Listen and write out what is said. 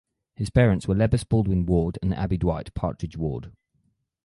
His parents were Lebbeus Baldwin Ward and Abby Dwight (Partridge) Ward.